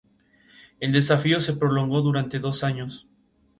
El desafío se prolongó durante dos años.